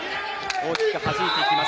大きくはじいていきます。